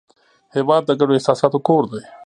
هېواد د ګډو احساساتو کور دی.